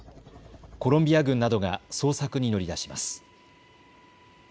コロンビア軍などが捜索に乗り出します。